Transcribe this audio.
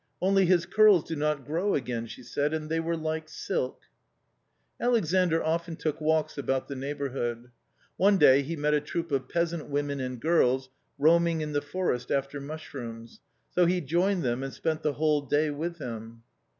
" Only his curls do not grow again," she said, " and they were like silk/ Alexandr often took walks about the neighbourhood. One day he met a troop of peasant women and girls, roam ing in the forest after mushrooms, so he joined them and spent the whole day with them.